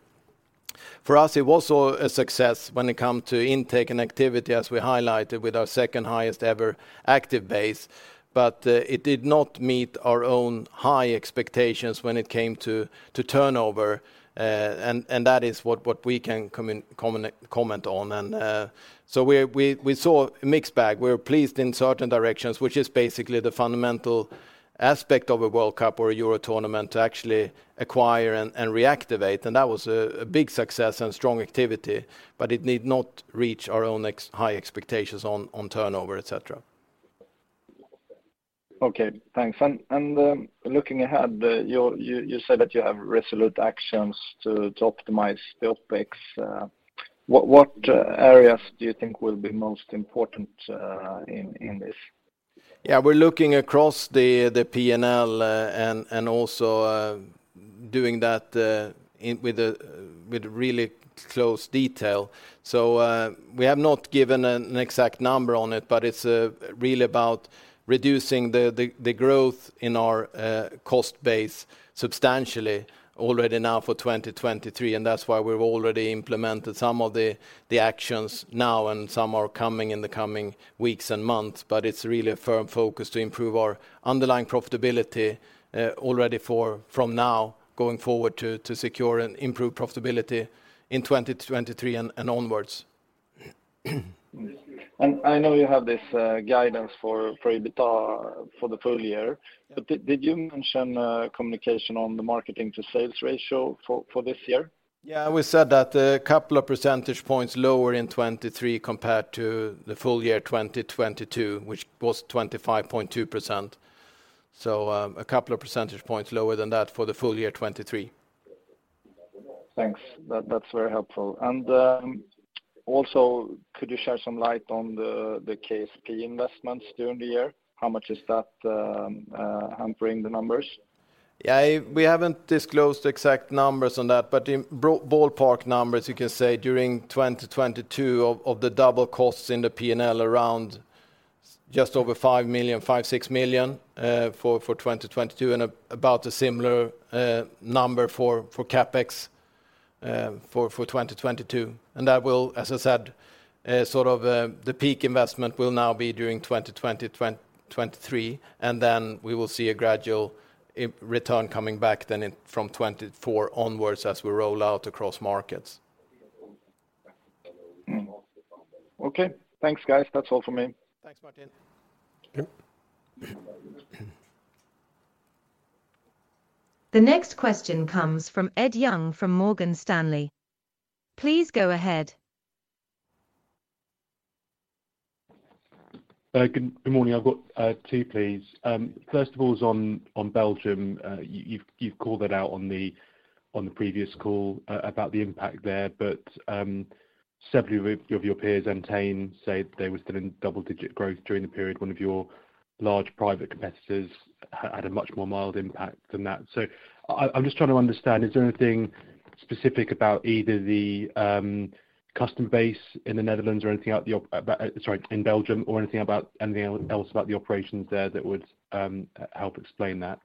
Speaker 2: For us, it was a success when it come to intake and activity as we highlighted with our second highest ever active base. It did not meet our own high expectations when it came to turnover. That is what we can comment on. So we saw a mixed bag. We were pleased in certain directions, which is basically the fundamental aspect of a World Cup or a Euro tournament to actually acquire and reactivate. That was a big success and strong activity, but it did not reach our own high expectations on turnover, et cetera.
Speaker 4: Okay. Thanks. Looking ahead, you said that you have resolute actions to optimize the OpEx. What areas do you think will be most important in this?
Speaker 2: We're looking across the P&L, and also doing that with really close detail. We have not given an exact number on it, but it's really about reducing the growth in our cost base substantially already now for 2023. That's why we've already implemented some of the actions now, and some are coming in the coming weeks and months. It's really a firm focus to improve our underlying profitability already from now going forward to secure and improve profitability in 2023 and onwards.
Speaker 4: I know you have this guidance for EBITDA for the full year. Did you mention communication on the marketing to sales ratio for this year?
Speaker 2: Yeah. We said that a couple of percentage points lower in 2023 compared to the full year 2022, which was 25.2%. A couple of percentage points lower than that for the full year 2023.
Speaker 4: Thanks. That's very helpful. Also could you shed some light on the KSP investments during the year? How much is that hampering the numbers?
Speaker 2: Yeah. We haven't disclosed exact numbers on that, but in ballpark numbers, you can say during 2022 of the double costs in the P&L around just over 5 million, 5 million-6 million for 2022, and about a similar number for CapEx for 2022. That will, as I said, the peak investment will now be during 2023, and then we will see a gradual return coming back then from 2024 onwards as we roll out across markets.
Speaker 4: Okay. Thanks, guys. That's all for me.
Speaker 1: Thanks, Martin.
Speaker 2: Yep.
Speaker 3: The next question comes from Ed Young from Morgan Stanley. Please go ahead.
Speaker 5: Good morning. I've got two, please. First of all is on Belgium. You've called it out on the previous call about the impact there. Several of your peers, Entain, say they were still in double-digit growth during the period. One of your large private competitors had a much more mild impact than that. I'm just trying to understand, is there anything specific about either the custom base in the Netherlands or sorry, in Belgium or anything else about the operations there that would help explain that?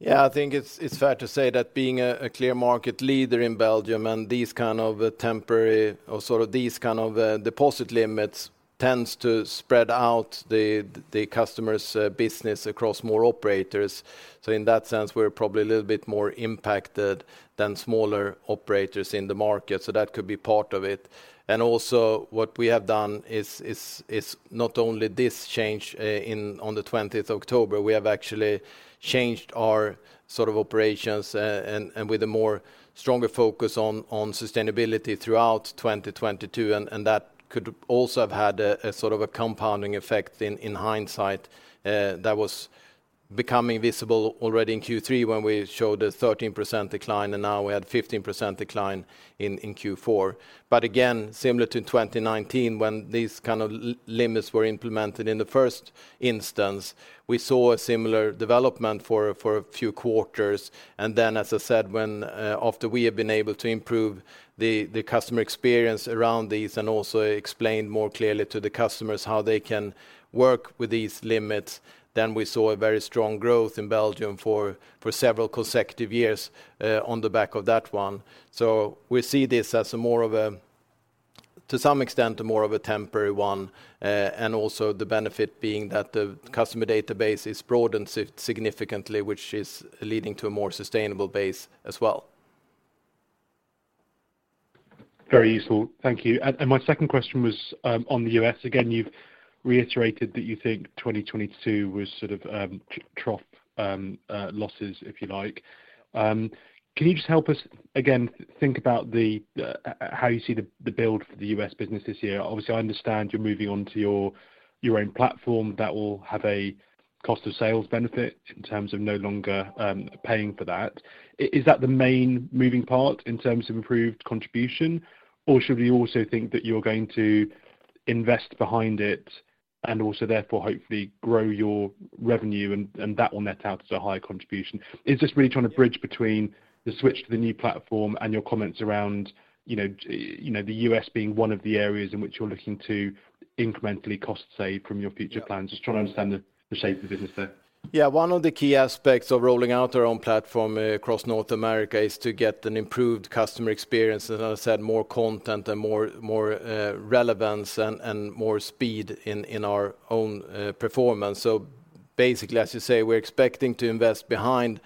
Speaker 2: Yeah, I think it's fair to say that being a clear market leader in Belgium and these kind of temporary or sort of these kind of deposit limits tends to spread out the customer's business across more operators. In that sense, we're probably a little bit more impacted than smaller operators in the market. That could be part of it. Also, what we have done is not only this change on the 20th of October, we have actually changed our sort of operations and with a more stronger focus on sustainability throughout 2022. That could also have had a sort of a compounding effect in hindsight, that was becoming visible already in Q3 when we showed a 13% decline, and now we had 15% decline in Q4. Again, similar to 2019 when these kind of limits were implemented in the first instance, we saw a similar development for a few quarters. Then as I said, when after we have been able to improve the customer experience around these and also explained more clearly to the customers how they can work with these limits, then we saw a very strong growth in Belgium for several consecutive years on the back of that one. We see this as a more of a... To some extent, more of a temporary one, and also the benefit being that the customer database is broadened significantly, which is leading to a more sustainable base as well.
Speaker 5: Very useful. Thank you. My second question was on the U.S. Again, you've reiterated that you think 2022 was sort of, trough, losses, if you like. Can you just help us again think about how you see the build for the U..S business this year? Obviously, I understand you're moving on to your own platform that will have a cost of sales benefit in terms of no longer, paying for that. Is that the main moving part in terms of improved contribution? Should we also think that you're going to invest behind it and also therefore hopefully grow your revenue and that will net out as a higher contribution? Is this really trying to bridge between the switch to the new platform and your comments around, you know, you know, the U.S. being one of the areas in which you're looking to incrementally cost save from your future plans? Just trying to understand the shape of the business there.
Speaker 2: Yeah. One of the key aspects of rolling out our own platform across North America is to get an improved customer experience. As I said, more content and more relevance and more speed in our own performance. Basically, as you say, we're expecting to invest behind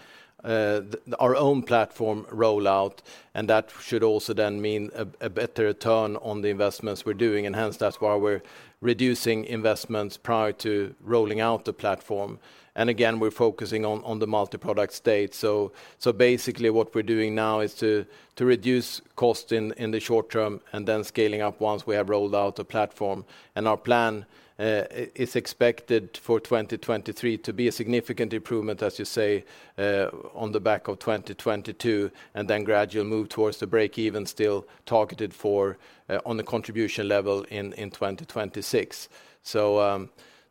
Speaker 2: our own platform rollout, and that should also then mean a better return on the investments we're doing. Hence that's why we're reducing investments prior to rolling out the platform. Again, we're focusing on the multi-product state. Basically what we're doing now is to reduce cost in the short term and then scaling up once we have rolled out a platform. Our plan is expected for 2023 to be a significant improvement, as you say, on the back of 2022, and then gradual move towards the break-even still targeted for on the contribution level in 2026.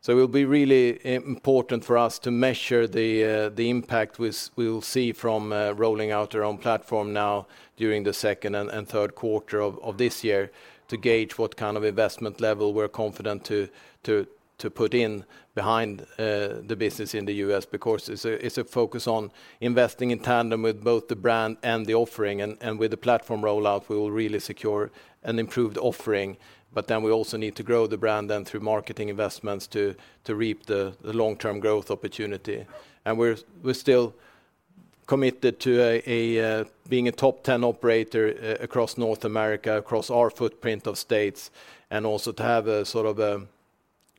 Speaker 2: It'll be really important for us to measure the impact we'll see from rolling out our own platform now during the second and Q3 of this year to gauge what kind of investment level we're confident to put in behind the business in the U.S. It's a focus on investing in tandem with both the brand and the offering. With the platform rollout, we will really secure an improved offering. We also need to grow the brand then through marketing investments to reap the long-term growth opportunity. We're still committed to being a top 10 operator across North America, across our footprint of states, and also to have a sort of a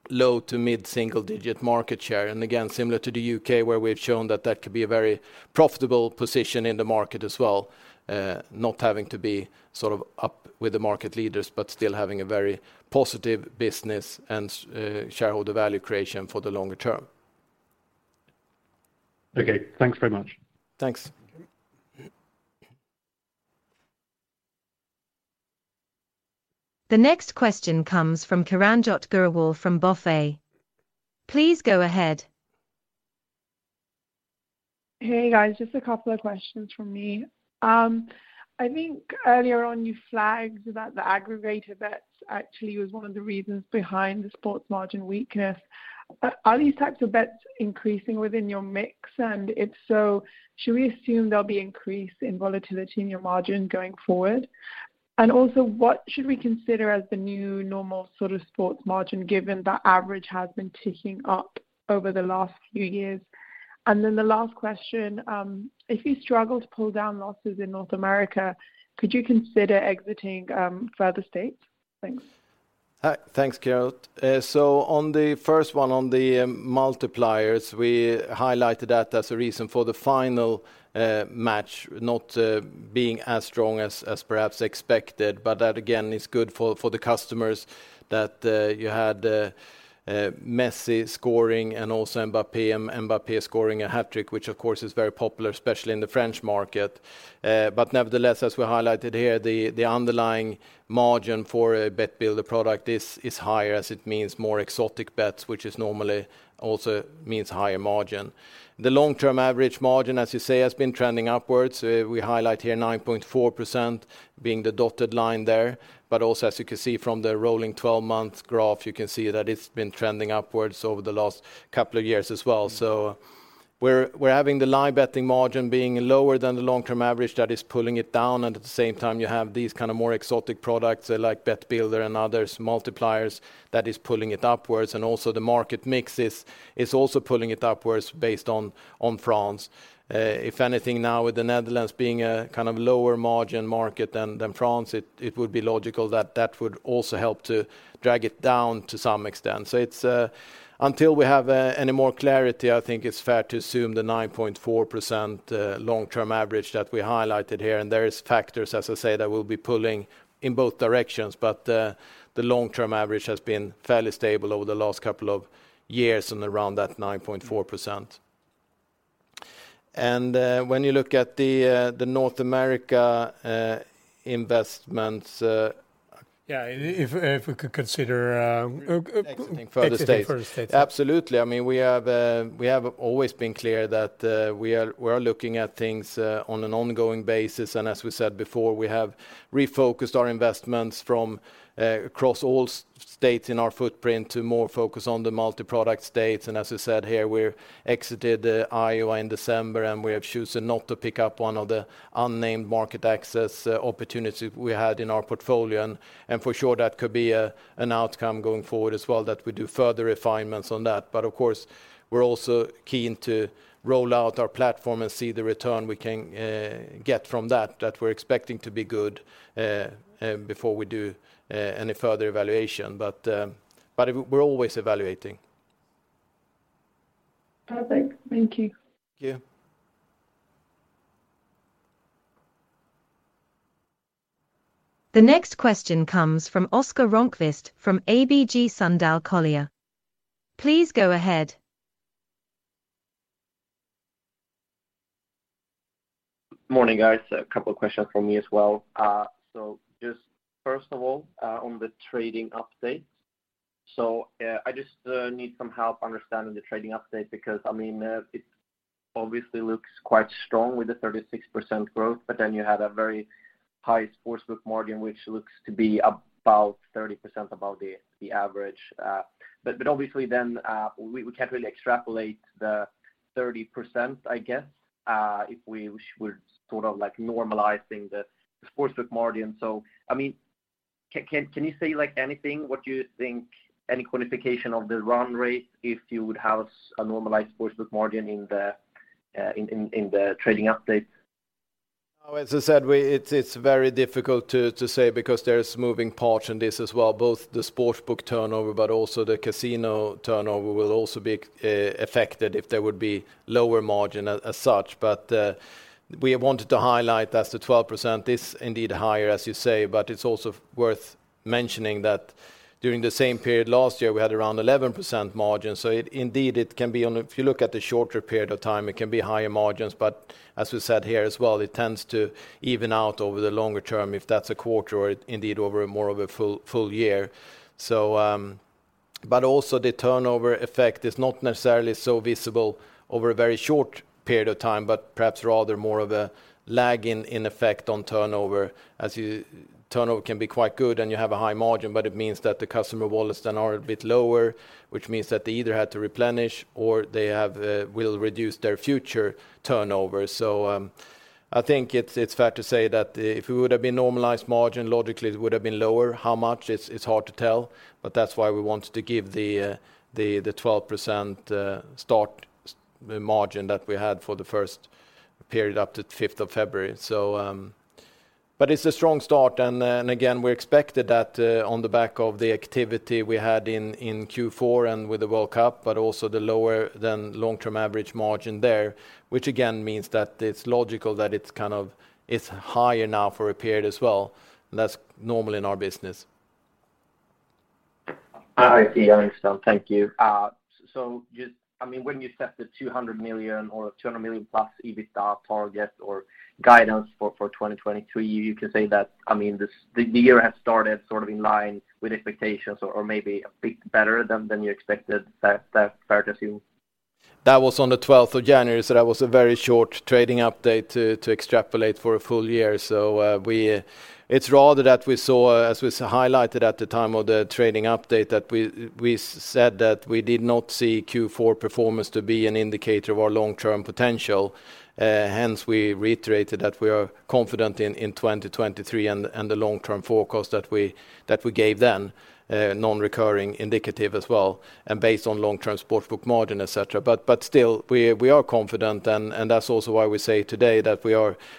Speaker 2: low to mid-single-digit market share. Again, similar to the U.K., where we've shown that that could be a very profitable position in the market as well. Not having to be sort of up with the market leaders, but still having a very positive business and shareholder value creation for the longer term.
Speaker 5: Okay. Thanks very much.
Speaker 2: Thanks.
Speaker 3: The next question comes from Kiranjot Grewal from BofA. Please go ahead.
Speaker 6: Hey, guys. Just a couple of questions from me. I think earlier on you flagged that the aggregator bets actually was one of the reasons behind the sports margin weakness. Are these types of bets increasing within your mix? If so, should we assume there'll be increase in volatility in your margin going forward? Also, what should we consider as the new normal sort of sports margin, given that average has been ticking up over the last few years? The last question, if you struggle to pull down losses in North America, could you consider exiting, further states? Thanks.
Speaker 2: Thanks, Kiranjot. On the first one, on the multipliers, we highlighted that as a reason for the final match not being as strong as perhaps expected. That, again, is good for the customers that you had Messi scoring and also Mbappé scoring a hat-trick, which of course is very popular, especially in the French market. Nevertheless, as we highlighted here, the underlying margin for a bet builder product is higher as it means more exotic bets, which is normally also means higher margin. The long-term average margin, as you say, has been trending upwards. We highlight here 9.4% being the dotted line there. Also, as you can see from the rolling 12-month graph, you can see that it's been trending upwards over the last couple of years as well. We're having the live betting margin being lower than the long-term average that is pulling it down, and at the same time, you have these kind of more exotic products like BetBuilder and others, multipliers, that is pulling it upwards. Also the market mix is also pulling it upwards based on France. If anything now with the Netherlands being a kind of lower margin market than France, it would be logical that that would also help to drag it down to some extent. It's, until we have any more clarity, I think it's fair to assume the 9.4% long-term average that we highlighted here, and there is factors, as I say, that will be pulling in both directions. The long-term average has been fairly stable over the last couple of years and around that 9.4%. When you look at the North America investments.
Speaker 1: Yeah. If we could consider,
Speaker 2: Exiting further states....
Speaker 1: exiting further states.
Speaker 2: Absolutely. I mean, we have always been clear that we are looking at things on an ongoing basis. As we said before, we have refocused our investments from across all states in our footprint to more focus on the multiproduct states. As I said here, we're exited Iowa in December, and we have chosen not to pick up one of the unnamed market access opportunities we had in our portfolio. For sure, that could be an outcome going forward as well that we do further refinements on that. Of course, we're also keen to roll out our platform and see the return we can get from that we're expecting to be good before we do any further evaluation. We're always evaluating.
Speaker 6: Perfect. Thank you.
Speaker 2: Thank you.
Speaker 3: The next question comes from Oscar Rönnkvist from ABG Sundal Collier. Please go ahead.
Speaker 7: Morning, guys. A couple of questions from me as well. Just first of all, on the trading update. I just need some help understanding the trading update because, I mean, it obviously looks quite strong with the 36% growth, but then you had a very high sportsbook margin, which looks to be about 30% above the average. Obviously, we can't really extrapolate the 30%, I guess, if we're sort of like normalizing the sportsbook margin. I mean can you say like anything what you think any qualification of the run rate if you would have a normalized sportsbook margin in the trading update?
Speaker 2: As I said, it's very difficult to say because there is moving parts in this as well. Both the sportsbook turnover but also the casino turnover will also be affected if there would be lower margin as such. We wanted to highlight that the 12% is indeed higher, as you say, but it's also worth mentioning that during the same period last year, we had around 11% margin. It indeed, it can be on a... If you look at the shorter period of time, it can be higher margins. As we said here as well, it tends to even out over the longer term if that's a quarter or indeed over more of a full year. Also the turnover effect is not necessarily so visible over a very short period of time, but perhaps rather more of a lag in effect on turnover. As turnover can be quite good and you have a high margin, but it means that the customer wallets then are a bit lower, which means that they either had to replenish or they will reduce their future turnover. I think it's fair to say that if it would have been normalized margin, logically, it would have been lower. How much? It's, it's hard to tell, but that's why we wanted to give the 12% start sportsbook margin that we had for the first period up to 5th of February. It's a strong start. Again, we expected that on the back of the activity we had in Q4 and with the World Cup, but also the lower than long-term average margin there, which again means that it's kind of, it's higher now for a period as well. That's normal in our business.
Speaker 7: I see. I understand. Thank you. I mean, when you set the 200 million or 200+ million EBITDA target or guidance for 2023, you can say that, I mean, the year has started sort of in line with expectations or maybe a bit better than you expected. That fair to assume?
Speaker 2: That was on the 12th of January, so that was a very short trading update to extrapolate for a full year. It's rather that we saw, as was highlighted at the time of the trading update, that we said that we did not see Q4 performance to be an indicator of our long-term potential. Hence, we reiterated that we are confident in 2023 and the long-term forecast that we gave then, non-recurring indicative as well and based on long-term sportsbook margin, et cetera. Still, we are confident and that's also why we say today that we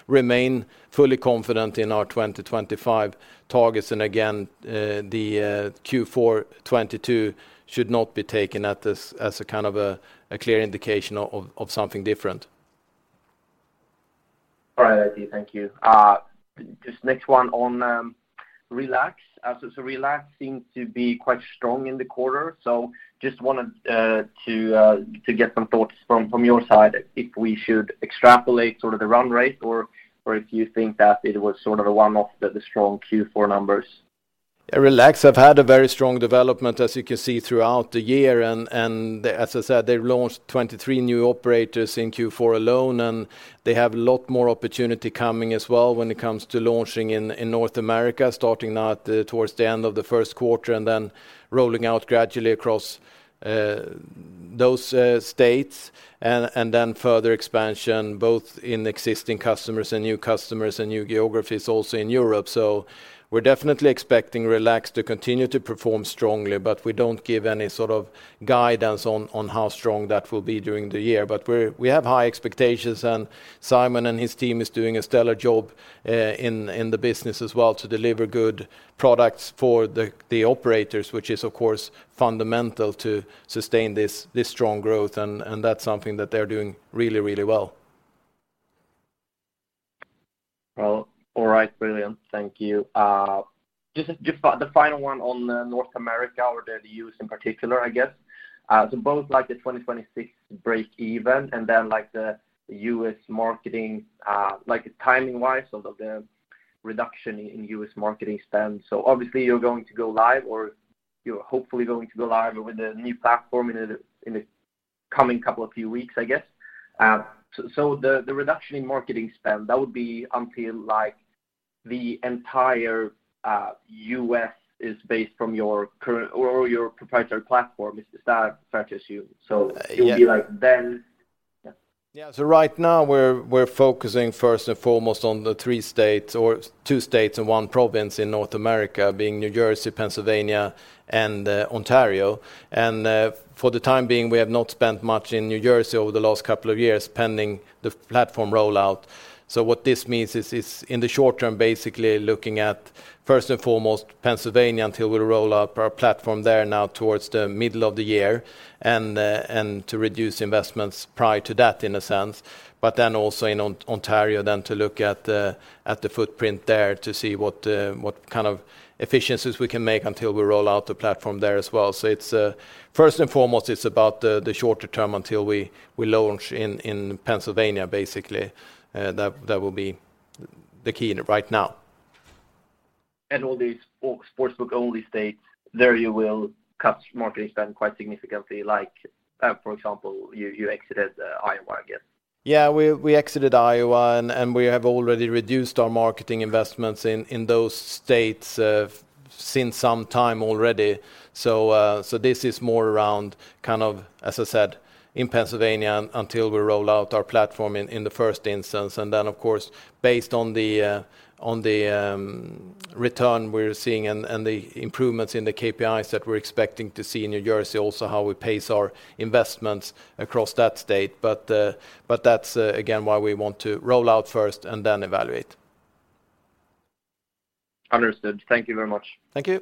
Speaker 2: remain fully confident in our 2025 targets. Again, Q4 2022 should not be taken at this as a kind of a clear indication of something different.
Speaker 7: All right. I see. Thank you. Just next one on Relax. Relax seems to be quite strong in the quarter. Just wanted to get some thoughts from your side if we should extrapolate sort of the run rate or if you think that it was sort of a one-off, the strong Q4 numbers.
Speaker 2: Yeah. Relax have had a very strong development as you can see throughout the year. As I said, they've launched 23 new operators in Q4 alone, and they have a lot more opportunity coming as well when it comes to launching in North America, starting now towards the end of the Q1 and then rolling out gradually across Those states and then further expansion both in existing customers and new customers and new geographies also in Europe. We're definitely expecting Relax to continue to perform strongly, but we don't give any sort of guidance on how strong that will be during the year. We have high expectations, and Simon and his team is doing a stellar job, in the business as well to deliver good products for the operators, which is, of course, fundamental to sustain this strong growth, and that's something that they're doing really, really well.
Speaker 7: Well, all right. Brilliant. Thank you. Just the final one on North America or the U.S. in particular, I guess. Both like the 2026 break even and then like the U.S. marketing, like timing-wise of the reduction in U.S. marketing spend. Obviously you're going to go live or you're hopefully going to go live with a new platform in the coming couple of few weeks, I guess. The reduction in marketing spend, that would be until like the entire U.S. is based from your current or your proprietary platform. Is that fair to assume?
Speaker 2: Yeah.
Speaker 7: It would be like then... Yeah.
Speaker 2: Yeah. Right now we're focusing first and foremost on the 3 states or 2 states and 1 province in North America, being New Jersey, Pennsylvania, and Ontario. For the time being, we have not spent much in New Jersey over the last couple of years pending the platform rollout. What this means is in the short term, basically looking at first and foremost Pennsylvania until we roll out our platform there now towards the middle of the year and to reduce investments prior to that in a sense. Also in Ontario then to look at the footprint there to see what kind of efficiencies we can make until we roll out the platform there as well. It's first and foremost it's about the shorter term until we launch in Pennsylvania, basically. That will be the key right now.
Speaker 7: All the sportsbook only states, there you will cut marketing spend quite significantly like, for example, you exited Iowa, I guess.
Speaker 2: We exited Iowa and we have already reduced our marketing investments in those states since some time already. This is more around kind of, as I said, in Pennsylvania until we roll out our platform in the first instance. Of course, based on the return we're seeing and the improvements in the KPIs that we're expecting to see in New Jersey, also how we pace our investments across that state. That's again, why we want to roll out first and then evaluate.
Speaker 7: Understood. Thank you very much.
Speaker 2: Thank you.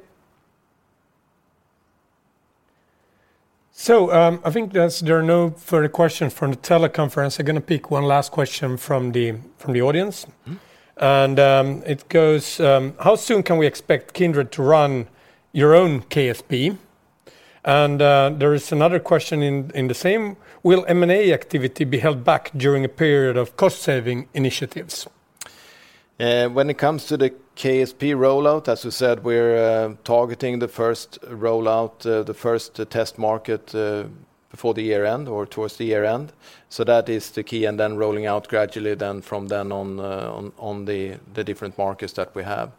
Speaker 1: I think that there are no further questions from the teleconference. I'm gonna pick one last question from the, from the audience.
Speaker 2: Mm-hmm.
Speaker 1: It goes, "How soon can we expect Kindred to run your own KSP?" There is another question in the same. "Will M&A activity be held back during a period of cost saving initiatives?
Speaker 2: When it comes to the KSP rollout, as we said, we're targeting the first rollout, the first test market, before the year-end or towards the year-end. That is the key. Then rolling out gradually from then on the different markets that we have.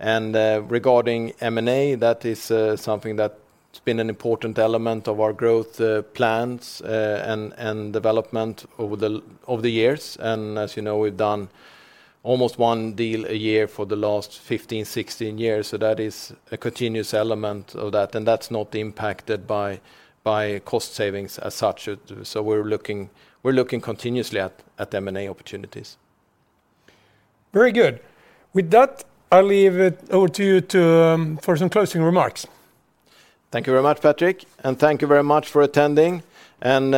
Speaker 2: Regarding M&A, that is something that's been an important element of our growth plans, and development over the years. As you know, we've done almost one deal a year for the last 15, 16 years. That is a continuous element of that, and that's not impacted by cost savings as such. We're looking continuously at M&A opportunities.
Speaker 1: Very good. With that, I'll leave it over to you to, for some closing remarks.
Speaker 2: Thank you very much, Patrick, and thank you very much for attending and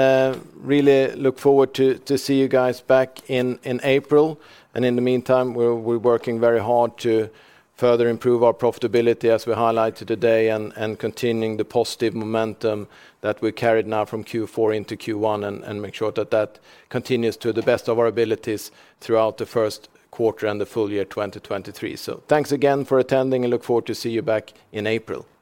Speaker 2: really look forward to see you guys back in April. In the meantime, we're working very hard to further improve our profitability as we highlighted today and continuing the positive momentum that we carried now from Q4 into Q1 and make sure that that continues to the best of our abilities throughout the Q1 and the full year 2023. Thanks again for attending and look forward to see you back in April. Thank you.